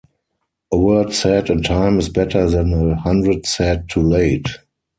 A word said in time is better than a hundred said too late.